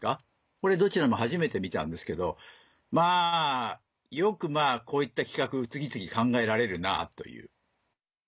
これどちらも初めて見たんですけどよくこういった企画次々考えられるなという。